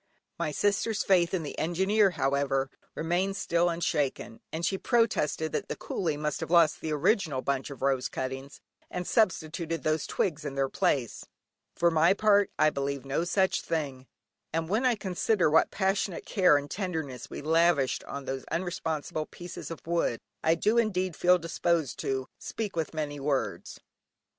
My sister's faith in the Engineer, however, remained still unshaken, and she protested that the coolie must have lost the original bundle of rose cuttings, and substituted these twigs in their place. For my part I believe no such thing, and when I consider what passionate care and tenderness we lavished on those unresponsive pieces of wood, I do indeed feel disposed to "speak with many words."